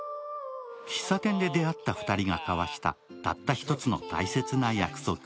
喫茶店で出会った２人が交わしたたった１つの大切な約束。